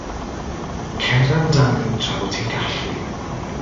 Cer amdani tra dy fod ti'n gallu.